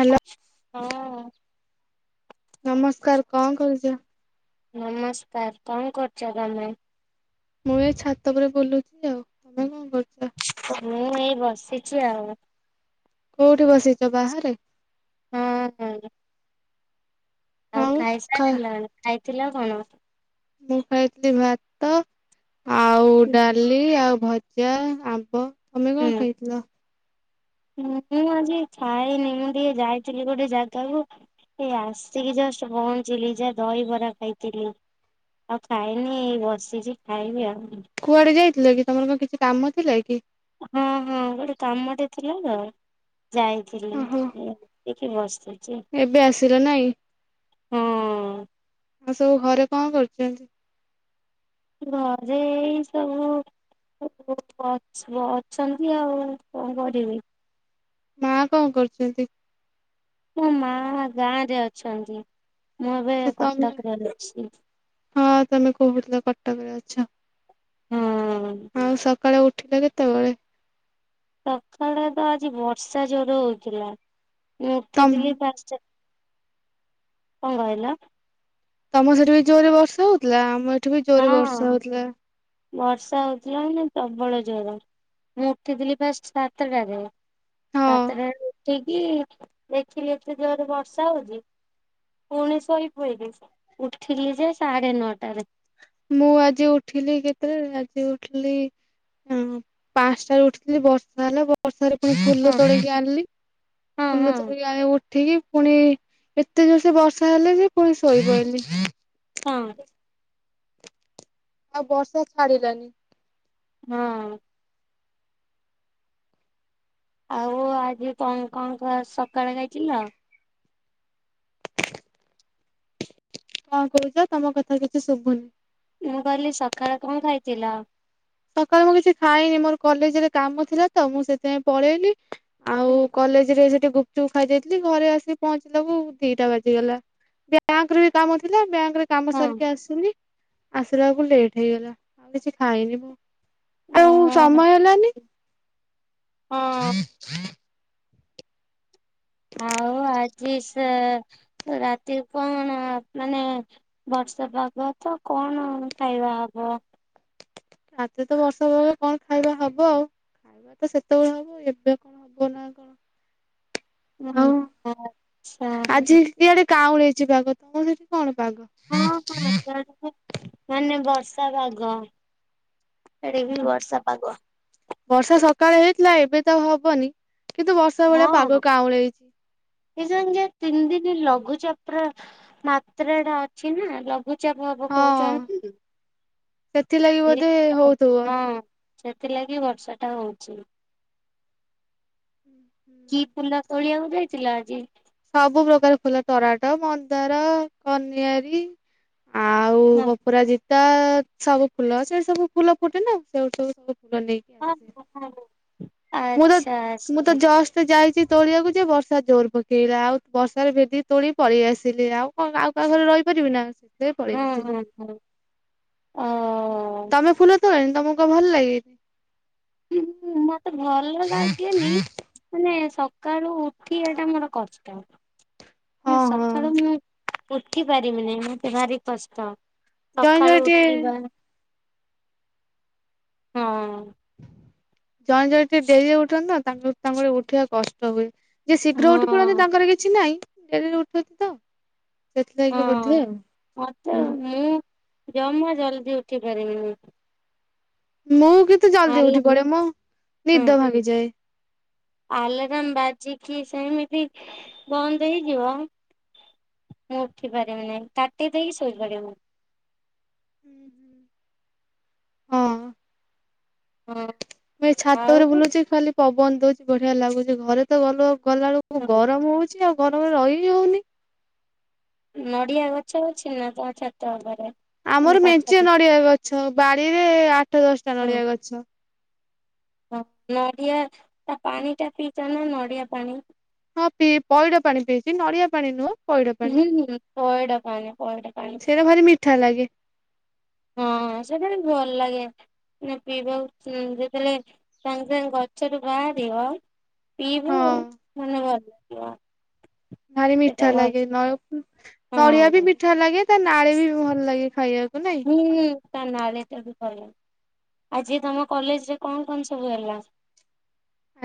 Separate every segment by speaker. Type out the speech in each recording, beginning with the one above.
Speaker 1: Hello
Speaker 2: [unintelligible] ହଁ।
Speaker 1: ନମସ୍କାର କଣ କରୁଛ?
Speaker 2: ନମସ୍କାର କଣ କରୁଛ ତମେ?
Speaker 1: ମୁଁ ଏଇ ଛାତ ଉପରେ ବୁଲୁଛି ଆଉ। ତମେ କଣ କରୁଛ?
Speaker 2: ମୁଁ ଏଇ ବସିଛି ଆଉ।
Speaker 1: କୋଉଠି ବସିଛ ବାହାରେ?
Speaker 2: ହଁ ହଁ। ଆଉ ଖାଇସାରିଲାଣି ଖାଇଥିଲ କଣ?
Speaker 1: ମୁଁ ଖାଇଥିଲି ଭାତ ଆଉ ଡାଲି ଇ ଆଉ ଭଜା, ଆମ୍ବ। ତମେ କଣ ଖାଇଥିଲ?
Speaker 2: ମୁଁ-ଉ-ଉ-ଉ ଆଜି ଖାଇନି ମୁଁ ଟିକେ ଯାଇଥିଲି ଗୋଟେ ଜାଗାକୁ ଏ ଆସିକି ଜଷ୍ଟ ପହଞ୍ଚିଲି ଯା ଦହିବରା ଖାଇଥିଲି। ଆଉ ଖାଇନି ଏ ବସିଛି ଖାଇବି ଆଉ।
Speaker 1: କୁଆଡେ ଯାଇଥିଲ କି ତମର କଣ କିଛି କାମ ଥିଲା କି?
Speaker 2: ହଁ ହଁ ଗୋଟେ କାମଟେ ଥିଲା ତ ଯାଇ ଥିଲି
Speaker 1: ଓହୋ
Speaker 2: ଏ-ଏ ଏଠି ବସିଛି।
Speaker 1: ଏବେ ଆସିଲା ନାଇଁ?
Speaker 2: ହଁ
Speaker 1: ଆଉ ସବୁ ଘରେ କଣ କରୁଛନ୍ତି?
Speaker 2: ଘରେ ଏଇ ସବୁ-ଉ-ଉ [unintelligible] ଅଛ ଅଛନ୍ତି ଆଉ କଣ କରିବେ।
Speaker 1: ମା କଣ କରୁଛନ୍ତି?
Speaker 2: ମୋ ମା-ଆ-ଆ ଗାଁ ରେ ଅଛନ୍ତି ମୁଁ ଏବେ
Speaker 1: ଆଚ୍ଛା ତମେ
Speaker 2: କଟକରେ ଅଛି।
Speaker 1: ହଁ ତମେ କହୁଥିଲ କଟକରେ ଅଛ।
Speaker 2: ହଁ।
Speaker 1: ଆଉ ସକାଳେ ଉଠିଲ କେତେବେଳେ?
Speaker 2: ସକାଳେ ତ ଆଜି ବର୍ଷା ଜୋର ରେ ହଉଥିଲା। ମୁଁ
Speaker 1: ତମ
Speaker 2: ଉଠିଥିଲି ପାଞ୍ଚଟା କଣ କହିଲା?
Speaker 1: ତମକୁ ସେଠି ବି ଜୋରରେ ବର୍ଷା ହଉଥିଲା ଆମର
Speaker 2: ହଁ-ଅ-ଅ। ବର୍ଷା ହଉଥିଲା ନା ପ୍ରବଳ ଜୋରେ ମୁଁ ଉଠିଥିଲି ଫାଷ୍ଟ ସାତଟାରେ।
Speaker 1: ହଁ
Speaker 2: ସାତଟା ରୁ ଉଠିକି ଦେଖିଲି ଏତେ ଜୋରରେ ବର୍ଷା ହଉଛି। ପୁଣି ଶୋଇପଇଲି ଉଠିଲି ଯେ ସାଢେ ନଅଟାରେ।
Speaker 1: ମୁଁ ଆଜି ଉଠିଲି କେତେବେଳେ ଆଜି ଉଠିଲି ଉ-ଉ ପାଞ୍ଚଟାରେ ଉଠିଥିଲି ବର୍ଷା ହେଲା ବ ବର୍ଷାରେ ପୁଣି ଫୁଲ
Speaker 2: ହଁ
Speaker 1: ତୋଳିକି ଆଣିଲି।
Speaker 2: ହଁ
Speaker 1: ଫୁଲ
Speaker 2: ହଁ
Speaker 1: ତୋଳିକି ଆଣି ଉଠିକି ପୁଣି ଏତେ ଜୋରସେ ବର୍ଷା ହେଲା ଯେ ପୁଣି ଶୋଇପଇଲି।
Speaker 2: ହଁ।
Speaker 1: ଆଉ ବର୍ଷା ଛାଡିଲାନି।
Speaker 2: ହଁ। ଆଉ ଆଜି କଣ କଣ କଣ ସକାଳେ ଖାଇଥିଲ?
Speaker 1: କଣ କହୁଛ ତମ କଥା କିଛି ଶୁଭୁନି?
Speaker 2: ମୁଁ କହିଲି ସକାଳେ କଣ ଖାଇଥିଲ?
Speaker 1: ସକାଳୁ ମୁଁ କିଛି ଖାଇନି ମୋର କଲେଜରେ କାମ ଥିଲା ତ ମୁଁ ସେଥିପାଇଁ ପଳେଇଲି।
Speaker 2: ହୁଁ।
Speaker 1: କଲେଜ ରେ ସେଠି ଗୁପଚୁପ୍ ଖାଇ ଦେଇଥିଲି ଘରେ ଆସିିକି ପହଞ୍ଚିଲା କୁ ଦିଟା ବାଜିଗଲା। ବ୍ୟାଙ୍କରେ ବି କାମ ଥିଲା ବ୍ୟାଙ୍କ ରେ କାମ
Speaker 2: ହଁ
Speaker 1: ସାରିକି ଆସିଲି ଆସିଲା ବେଳକୁ ଲେଟ୍ ହେଇଗଲା ଆଉ କିଛି ଖାଇନି ମୁଁ। ଆଉ
Speaker 2: ଓହୋ
Speaker 1: ସମୟ ହେଲାନି।
Speaker 2: ହଁ ଆଉ ଆ ଜି ସାର୍ ରାତି କଣ ମାନେ ବର୍ଷ ପାଗ ତ କଣ ଖାଇବା ହବ?
Speaker 1: ଆଜି ତ ବର୍ଷା ପାଗ କଣ ଖାଇବା ହବ ଆଉ? ଖାଇବା ତ ସେତେବେଳେକୁ ଏବେ କଣ ହବ ନା କଣ?
Speaker 2: ହଁ
Speaker 1: ଆଉ
Speaker 2: ଆଚଛା।
Speaker 1: ଆଜି ଇଆଡେ କାଁ ଉଳେଇଛି ପାଗ ତମର ସେଠି କଣ ପାଗ?
Speaker 2: ହଁ ହଁ ହଁ ମାନେ ବର୍ଷା ପାଗ ଏଠିବି ବର୍ଷା ପାଗ।
Speaker 1: ବର୍ଷା ସକାଳେ ହେଇଥିଲା ଏବେ ତ ହବନି କିନ୍ତୁ ବର୍ଷା ଭଳିଆ ପାଗ କାଉଁଳି ହେଇଛି।
Speaker 2: ଏସ ଯ ତିନି ଦିନ ଲଘୁଚାପ ର ମାତ୍ରା ଟା ଅଛି ନା ଲଘୁ ଚାପ ଭବ
Speaker 1: ହଁ
Speaker 2: କହୁଛନ୍ତି
Speaker 1: ସେଥିଲାଗି ବୋଧେ ହଉଥିବ।
Speaker 2: ହଁ। ସେଥିଲାଗି ବର୍ଷା ଟା ହଉଛି। କି ପୁଲା ତୋଳଆକୁ ଯାଇଥିଲା ଆଜି?
Speaker 1: ସବୁ ପ୍ରକାର ଫୁଲ ଟରାଟ, ମନ୍ଦାର, କନିଆରୀ ଆଉ
Speaker 2: ହଁ
Speaker 1: ବପୁରାଜି ତା ସବୁ ଫୁଲ ସେଇ ସବୁ ଫୁଲ ଫୁଟେନେ ସେଇଠୁ ସବୁ ଫୁଲ ନେଇ
Speaker 2: ହଁ ହଁ ହଁ ହଁ।
Speaker 1: ମୁଁ ତ ମୁଁ ତ ଜଷ୍ ସେ ଯାଇଛିି ତୋଳିଆକୁ ଯେ ବର୍ଷା ଜୋର ପକେଇଲା ଆଉ ବର୍ଷାରେ ଭେଦି ତୋଳି ପଳେଇ ଆସିଲି। ଆଉ କଣ ଆଉ କାହା ଘରେ ରହିପାରିବି ନା।
Speaker 2: ହଁ
Speaker 1: ସେପଲେଇଆସିଲି
Speaker 2: ହଁ ହଁ ଓ
Speaker 1: ତମେ ଫୁଲ ଣି ତମକୁ ଭଲ ଲାଗେ?
Speaker 2: ମତେ ଭଲ ଲାଗେନି ମାନେ ସକାଳୁ ଉଠିବାଟା ମୋର କଷ୍ଟ।
Speaker 1: ହଁ ହଁ
Speaker 2: ନାସକାଳୁ ମୁଁ ଉଠି ପାରିବିିନି ମତେ ଭାରି କଷ୍ଟ।
Speaker 1: ଜଣେ ଜଣେ
Speaker 2: ସକାଳୁ
Speaker 1: ଟିକେ
Speaker 2: ଉଠିବା ହଁ।
Speaker 1: ଜଣେ ଜଣ ଟିକେ ଡେରି ଉଠନ୍ତି ନା ତା ତାଙ୍କର ଉଠିବା କଷ୍ଟ ହୁଏ। ଯିଏ ଶୀଘ୍ର
Speaker 2: ହଁ
Speaker 1: ଉଠି ପଡନ୍ତି ତାଙ୍କର କିଛି ନାହିଁ ଡେରି ଉଠନ୍ତି ତ ସେଥିଲାଗି
Speaker 2: ହଁ
Speaker 1: ବଧେ ଆଉ
Speaker 2: ମତେ
Speaker 1: ହୁଁ।
Speaker 2: ମୁଁ ଜମା ଜଲ୍ଦି ଉଠି ପାରେନି ମୁଁ।
Speaker 1: ମୁଁ କିନ୍ତୁ ଜଲଦି
Speaker 2: ହେଲା
Speaker 1: ଉଠି ପଡେ ମୋ ନିଦ ଭାଙ୍ଗିଯାଏ।
Speaker 2: ଆଲାରାମ୍ ବାଜିକି ସେମିତି ବନ୍ଦ ହେଇଯିବ। ମୁଁ ଉଠି ପାରିବିନି କାଟି ଦେଇକି ଶୋଇପଡିବି।
Speaker 1: ଉହୁଁ ହଁ।
Speaker 2: ହଁ
Speaker 1: ମୁଁ ଏ ଛାତରେ
Speaker 2: ଆଉ
Speaker 1: ବୁଲୁଚି ଖାଲି ପବନ ଦଉଛି ବଢିଆ ଲାଗୁଛି ଘରେ ତ ଗଲ ଗଲାବେଳକୁ ଆଉ ଗରମ ହଉଛି ଆଉ ଗରମରେ ରହିବି ହଉନି।
Speaker 2: ନଡିଆ ଗଛ ଅଛି ନା ତମ ଛାତ ଉପରେ। ମାନେ
Speaker 1: ଆମର ମେଞ୍ଚେ
Speaker 2: ପାଖରେ
Speaker 1: ନଡିଆ ଗଛ ବାଡିରେ ଆଠ ଦଶଟା ନଡିଆ ଗଛ।
Speaker 2: ହ ନଡିଆ ତା ପାଣି ଟା ପିଇଚ ନା ନଡିଆ ପାଣି।
Speaker 1: ହଁ ପି ପଇଡ ପାଣି ପିଇଛି ନଡିଆ ପାଣି ନୁହଁ। ପଇଡ ପାଣି
Speaker 2: ହୁଁ ହୁଁ ପଇଡ଼ ପାଣି ପଇଡ଼ ପାଣି।
Speaker 1: ସେଇଟା ଭାରି ମିଠା ଲାଗେ।
Speaker 2: ହଁ ସେଇଟା ଟିକେ ଭଲ ଲାଗେ। ନା ପିଇବାକୁ ଯେତେବେଳେ ସାଙ୍ଗେ ସାଙ୍ଗେ ଗଛରୁ ବାହାରିବା ପିବୁ
Speaker 1: ହଁ।
Speaker 2: ମାନେ ଭଲ ଲାଗିବ।
Speaker 1: ଭାରି ମିଠା
Speaker 2: ସେଟା ଭଲ
Speaker 1: ଲାଗେ ନ ନଡ଼ିଆ
Speaker 2: ହଁ
Speaker 1: ବି ମିଠା ଲାଗେ। ତା ନାଳୀ ବି ଭଲ ଲାଗେ ଖାଇବାକୁ ନାଇଁ?
Speaker 2: ହୁଁ ହୁଁ ତା ନାଳିଟାବି ଭଲ ଆଜି ତମ କଲେଜ ରେ କଣ କଣ ସବୁ ହେଲା?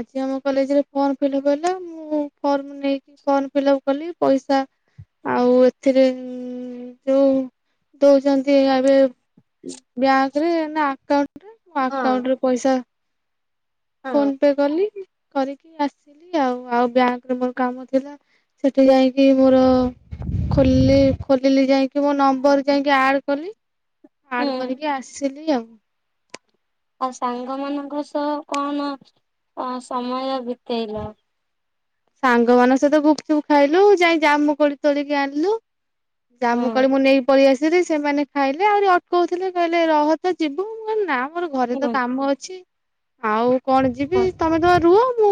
Speaker 1: ଆଜି ଆମ କଲେଜରେ ଫର୍ମ ଫିଲପ୍ ହେଲା ମୁଁ ଫର୍ମ ନେଇକି ଫର୍ମ ଫିଲପ୍ କଲି ପଇସା ଆଉ ଏଥିରେ ଯୋଉ ଦଉଛନ୍ତି ଏବେ ବ୍ୟାଙ୍କ ରେ ନା ଆକାଉଣ୍ଟ ଣ୍ଟରେ ମୋ
Speaker 2: ହଁ
Speaker 1: ଆକାଉଣ୍ଟରେ ପଇସା?
Speaker 2: ହଁ
Speaker 1: ଫୋନ ପେ କଲି କରିକି ଆସିଲି ଆଉ ଆଉ ବ୍ୟାଙ୍କରେ ମୋର କାମ ଥିଲା। ସେଠି ଯାଇକି ମୋର ଖଲି ଖୋଲିଲି ଯାଇକି ମୋ ନମ୍ବର ଯାଇକି ଆଡ କଲି
Speaker 2: ହୁଁ
Speaker 1: ଆଡ୍ କରିକି ଆସିଲି ଆଉ
Speaker 2: ଆଉ ସାଙ୍ଗ ମାନଙ୍କ ସହ କଣ ଅ ସମୟ ବି [unintelligible]
Speaker 1: ସାଙ୍ଗମାନଙ୍କ ସହିତ ଗୁପଚୁପ୍ ଖାଇଲୁ ଯାଇ କି ଜାଇଁ ଜାମୁକୋଳି ତୋଳିକି ଆଣିଲୁ
Speaker 2: ହଁ
Speaker 1: ଜାମୁ କୋଳି ମୁଁ ନେଇକି ପଳେଇ ଆସି ଦିଦି ସେମାନେ ଖାଇଲେ ଆହୁରି ଅଟକଉଥିଲେ କହିଲେ ରହ ତ ଯିବୁ ମୁଁ କଇଲି ନାଁ ମୋର ଘରେ ତ
Speaker 2: ହୁଁ
Speaker 1: କାମ ଅଛି। ଆଉ କଣ ଯିବି
Speaker 2: ହଁ
Speaker 1: ତମେ ତମ ରୁହ ମୁଁ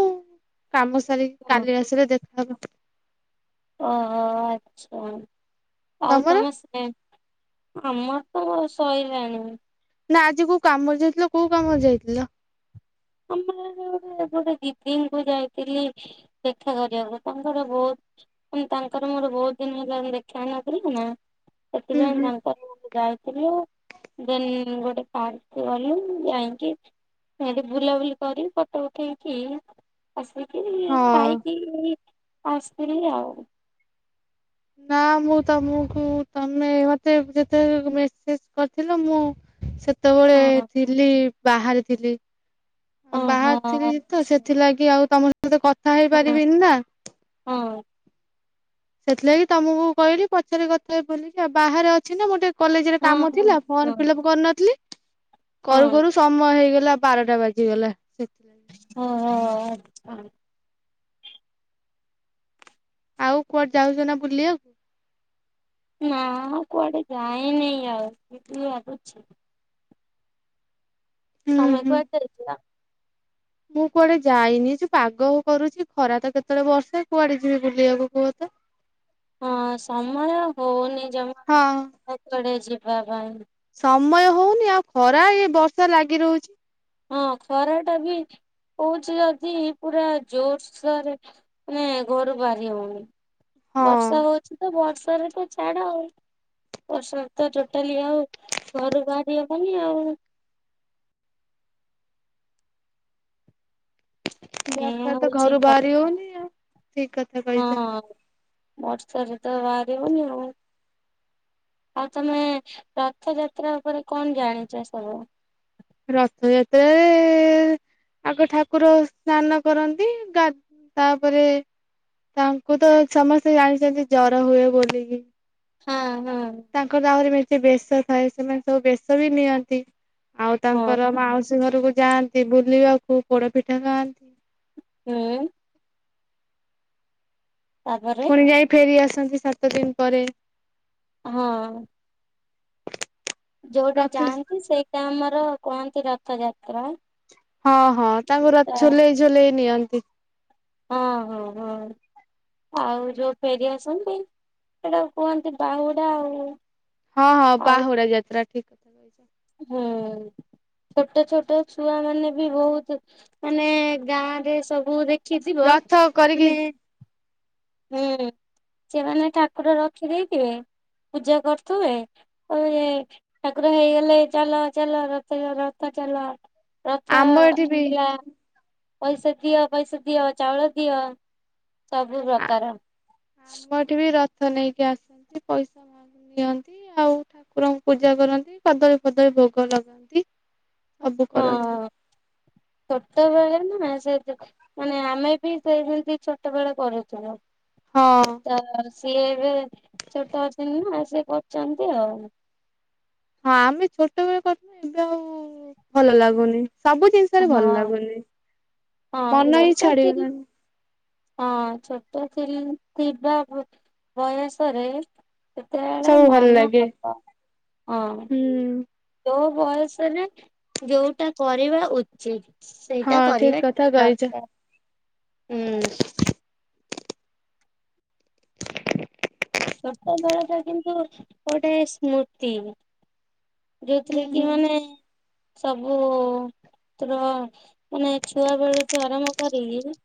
Speaker 1: କାମ ସାରିକି
Speaker 2: ହଁ
Speaker 1: କାଲି ଆସିଲେ ଦେଖ ଆଗୁ
Speaker 2: ଓହୋ ଆଚ୍ଛା ଆଉ
Speaker 1: ତମର?
Speaker 2: ତମେ ସେ ଆମର ତ ସଈଲାଣି।
Speaker 1: ନା ଆଜି କୋଉ କାମରେ ଯାଇଥିଲ କୋଉ କାମରେ ଯାଇଥିଲ?
Speaker 2: ଆମର ହେଠେ ଗୋଟେ ଗୋଟେ ଦିଦିଙ୍କୁ ଯାଇ କିରି ଦେଖା କରିବାକୁ ତାଙ୍କର ବହୁତ ତାଙ୍କର ମୋର ବହୁତ ଦିନ ହେଲାଣି ଦେଖା ହେନଥିଲା ନା
Speaker 1: ହୁଁ ହୁଁ।
Speaker 2: ସେଥିପାଇଁ ତା ଯାଇଥିଲୁ ଦେନ୍ ଗୋଟେ ପାର୍କକୁ ଗଲୁ ଯାଇକି ସେଠି ବୁଲାବୁଲି କରିକି ଫଟୋ ଉଠେଇକି ଆସିକି
Speaker 1: ହଁ।
Speaker 2: ଖାଇକି ଆସିଲି ଆଉ।
Speaker 1: ନା ମୁଁ ତମକୁ ତମେ ମତେ ଯେତେବେଳେ ମେସେଜ କରିଥିଲ ମୁଁ ସେତେବେଳେ
Speaker 2: ହଁ
Speaker 1: ଥିଲି ବାହାରେ ଥିଲି।
Speaker 2: ଓ
Speaker 1: ଆ
Speaker 2: ହଁ
Speaker 1: ବାହାରିଥିଲି ତ ସେଥିଲାଗି ଆଉ ତମ ସହିତ କଥା
Speaker 2: ହଁ
Speaker 1: ହେଇପାରିବିନି ନା।
Speaker 2: ହଁ।
Speaker 1: ସେଥିଲାଗି ତମକୁ କହିଲି ପଚରେ କଥା ବୁଲିକି ଆଉ ବାହାରେ ଅଛି ନା ଗୋଟେ କଲେଜ ରେ
Speaker 2: ହଁ
Speaker 1: କାମ
Speaker 2: ହଁ
Speaker 1: ଥିଲା
Speaker 2: ହଁ
Speaker 1: ଫର୍ମ ଫିଲଅପ୍ କରିନଥିଲି। କରୁ
Speaker 2: ହଁ
Speaker 1: କରୁ ସମୟ ହେଇଗଲା ବାରଟା ବାଜିଗଲା ସେଥିଲାଗି।
Speaker 2: ହଁ ହଁ ଆଉ।
Speaker 1: ଆଉ କୁଆଡେ ଯାଉଛନ୍ତି ନା ବୁଲିବାକୁ?
Speaker 2: ନା କୁଆଡେ ଯାାଇନି ଆଉ ଯିବି ଭାବୁଚି।
Speaker 1: ହୁଁ
Speaker 2: ତମେ
Speaker 1: ହୁଁ
Speaker 2: କୁଆଡ଼େ ଯାଇଥିଲ?
Speaker 1: ମୁଁ କୁଆଡେ ଯାଇନି ଯଉ ପାଗ କରୁଛି ଖରା ତ କେତେବେଳେ ବର୍ଷା କୁଆଡେ ଯିବି ବୁଲିବାକୁ କୁହ ତ। [unintelligible]
Speaker 2: ହଁ ସମୟ ହଉନି ଜମା
Speaker 1: ହଁ
Speaker 2: ଆଉ କୁଆଡେ ଯିବା ପାଇଁ।
Speaker 1: ସମୟ ହଉନି ଆଉ ଖରା ଏଇ ବର୍ଷା ଲାଗି ରହୁଛି।
Speaker 2: ହଁ ଖରା ଟା ବି ହୋଉଛି ଯଦି ପୁରା ଜୋରସୋରେ ମାନେ ଘରୁ ବାହାରି ହଉନି।
Speaker 1: ହଁ
Speaker 2: ବର୍ଷା ହଉଛି ତ ବର୍ଷାରେ ତ ଛାଡ ଆଉ ବର୍ଷାରେ ତ ଟୋଟାଲି ଆଉ ଘରୁ ବାହାରି ହବନି ଆଉ। ମେନ୍
Speaker 1: ବର୍ଷାରେ ତ
Speaker 2: ହଉଛି
Speaker 1: ଘରୁ
Speaker 2: କଥା
Speaker 1: ବାହାରି ହଉନି ଆଉ ଠିକ କଥା କହିଛ।
Speaker 2: ବର୍ଷ ରେ ତ ବାହାରି ହଉନି ଆଉ ଆଉ ତମେ ରଥଯାତ୍ରା ଉପରେ କଣ ଜାଣିଛ ସବୁ?
Speaker 1: ରଥଯାତ୍ରାରେ ଆଗ ଠାକୁର ସ୍ନାନ କରନ୍ତି ଗା ତାପରେ ତାଙ୍କୁ ତ ସମସ୍ତେ ଜାଣିଛନ୍ତି ଜର ହୁଏ ବୋଲିକି।
Speaker 2: ହଁ ହଁ।
Speaker 1: ତାଙ୍କର ଆହୁରି ମେଞ୍ଚେ ବେଶ ଥାଏ ସେମାନେ ସବୁ ବେଶ ବି ନିଅନ୍ତି ଆଉ ତାଙ୍କର
Speaker 2: ହଁ
Speaker 1: ମାଉସି ସି ଘରକୁ ଯାଆନ୍ତି ବୁଲିବାକୁ ପୋଡ ପିଠା ଖାଆନ୍ତି।
Speaker 2: ହୁଁ। ତାପରେ
Speaker 1: ଫୁଣି ଯାଇ ଫେରି ଆସନ୍ତି ସାତ ଦିନ ପରେ।
Speaker 2: ହଁ। ଯୋଉଟା
Speaker 1: ରଥ
Speaker 2: ଯାଆନ୍ତି ସେଇଟା ଆମର କୁହନ୍ତି ରଥଯାତ୍ରା।
Speaker 1: ହଁ ହଁ ତାଙ୍କୁ ର
Speaker 2: ଯୋଉଟା
Speaker 1: ଝୁଲେଇ ଝୁଲେଇ ନିଅନ୍ତି।
Speaker 2: ହଁ ହଁ ହଁ। ଆଉ ଯୋଉ ଫେରି ଆସନ୍ତି ସେଟାକୁ କୁହନ୍ତି ବାହୁଡା ଆଉ।
Speaker 1: ହଁ ହଁ
Speaker 2: ଆଉ
Speaker 1: ବାହୁଡା ଯାତ୍ରା ଠିକ କଥା କହିଛ।
Speaker 2: ହୁଁ। ଛୋଟ ଛୋଟ ଛୁଆ ମାନେ ବି ବହୁତ ମାନେ ଗାଁ ରେ ସବୁ ଦେଖ ଦେଖିଥିବ
Speaker 1: ରଥ କରିକି
Speaker 2: ମାନେ ହୁଁ ସିଏ ମାନେ ଠାକୁର ରଖିଦେଇଥିବେ ପୂଜା କରୁଥିବେ। ହ ଠାକୁର ହେଇଗଲେ ଚାଲ ଚାଲ ରଥ ରଥ ଚାଲ। ରଥ
Speaker 1: ଆମ ଏଠି ବି
Speaker 2: ଆସିଲା। ପଇସା ଦିଅ ପଇସା ଦିଅ ଚାଉଳ ଦିଅ ସବୁ
Speaker 1: ଆ
Speaker 2: ପ୍ରକାର।
Speaker 1: ଆମ ଏଠି ବି ରଥ ନେଇକି ଆସନ୍ତି ପଇସା ମା ନିଅନ୍ତି ଆଉ ଠାକୁରଙ୍କୁ ପୂଜା କରନ୍ତି କଦଳୀ ଫଦଳୀ ଭୋଗ ଲଗାନ୍ତି। ସବୁ
Speaker 2: ହଁ
Speaker 1: କରନ୍ତି।
Speaker 2: ଛୋଟବେଳେ ନା ସେ ଯୋଉ ମାନେ ଆମେ ବି ସେଇ ସେମିତି ଛୋଟ ବେଳ କରୁଥୁଲୁ।
Speaker 1: ହଁ।
Speaker 2: ତ ସିଏ ଏବେ ଛୋଟ ଅଛନ୍ତି ନା ସିଏ କରୁଛନ୍ତି ଆଉ
Speaker 1: ହଁ ଆମେ ଛୋଟବେଳେ କରିଥିଲୁ ଏବେ ଆଉ ଭଲ ଲାଗୁନି ସବୁ ଜିନି ସତରେ ଭଲ
Speaker 2: ହଁ।
Speaker 1: ଲାଗୁନି
Speaker 2: ହଁ
Speaker 1: ମନ ହିଁ
Speaker 2: ଛୋଟ ଥିଲି
Speaker 1: ଛାଡିଗଲାଣି।
Speaker 2: ହଁ ଛୋଟ ଥିଲି ଥିବା ବୟସରେ ସେତେବେଳେ
Speaker 1: ସବୁ ଭଲ
Speaker 2: ମନ
Speaker 1: ଲାଗେ
Speaker 2: ହବ ହଁ।
Speaker 1: ହୁଁ
Speaker 2: ଯୋଉ ବୟସରେ ଯୋଉଟା କରିବା ଉଚିତ। ସେଇଟା
Speaker 1: ହଁ ଠିକ
Speaker 2: କରିବା
Speaker 1: କଥା କହିଛ
Speaker 2: ଦରକାର ହୁଁ। ଛୋଟବେଳଟା କିନ୍ତୁ ଗୋଟେ ସ୍ମୃତି।
Speaker 1: ହୁଁ
Speaker 2: ଯୋଉଥିରେ କି
Speaker 1: ହୁଁ
Speaker 2: ମାନେ ସବୁ ମାନେ ଛୁଆ ବେଳୁଠୁ ଆରମ୍ଭ କରିକିରି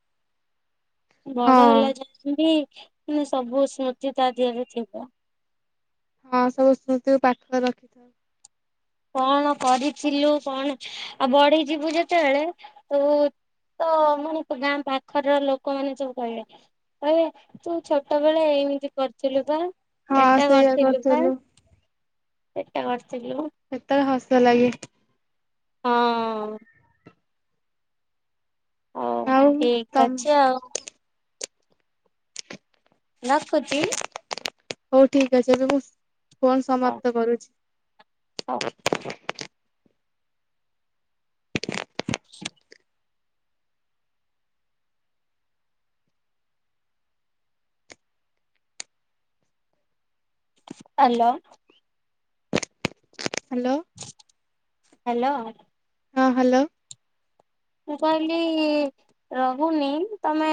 Speaker 2: ବଡ
Speaker 1: ହଁ
Speaker 2: ହେଲା ଯାଏବି ସବୁ ସ୍ମୃତି ତା ଦେହରେ ଥିବ।
Speaker 1: ହଁ ସବୁ ସ୍ମୃତିକୁ ପାଠରେ ରଖିଥାଅ।
Speaker 2: କଣ କରିଥିଲୁ କଣ ଆଉ ବଢିଯିବୁ ଯେତେବେଳେ ତୁ ତ ମାନେ ଗାଁ ପାଖରର ଲୋକମାନେ ସବୁ କହିବେ ଏ ତୁ ଛୋଟ ବେଳେ ଏମିତି କରିଥିଲୁ ବା
Speaker 1: ହଁ
Speaker 2: ଏଟା
Speaker 1: ସେଇଆ
Speaker 2: କରିଥିଲୁ ବା।
Speaker 1: କରୁଥିଲୁ
Speaker 2: ଏଟା କରିଥିଲୁ।
Speaker 1: ସେତେବେଳେ ହସ ଲାଗେ।
Speaker 2: ହଁ। ହଉ
Speaker 1: ଆଉ
Speaker 2: ଠିକ
Speaker 1: ତମ
Speaker 2: ଅଛି ଆଉ ରଖୁଛି।
Speaker 1: ହଉ ଠିକ୍ ଅଛି ଏବେ ମୁଁ ଫୋନ୍ ସମାପ୍ତ କରୁଛି।
Speaker 2: ହଁ। [inaudible] ହ୍ୟାଲୋ।
Speaker 1: ହ୍ୟାଲୋ।
Speaker 2: ହ୍ୟାଲୋ।
Speaker 1: ହଁ ହ୍ୟାଲୋ।
Speaker 2: ମୁଁ କହିଲି ରହୁନି ତମେ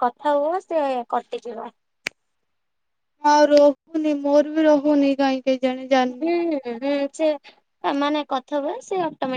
Speaker 2: କଥା ହୁଅ ସିଏ କଟିଯିବ।
Speaker 1: ହଉ ରେ ମୋର ବି ରହୁନି କାଇଁ। କେଜାଣି ଜ
Speaker 2: ହୁଁ ହୁଁ ସେ ସାମାନ୍ୟ କଥା ହୁଅ ସେ ଅଟୋମେଟିକ